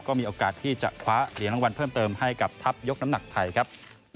ก็มีโอกาสที่จะคว้าเหรียญรางวัลเพิ่มเติมให้กับทัพยกน้ำหนักไทยครับ